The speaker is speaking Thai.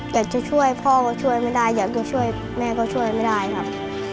อยากจะช่วยพ่อก็ช่วยไม่ได้อยากจะช่วยแม่ก็ช่วยไม่ได้ครับ